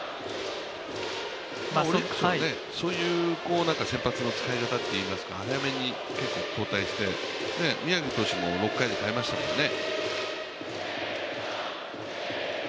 オリックスもそういう先発も使えるなというか早めに結構交代して、宮城投手も６回で代えましたもんね。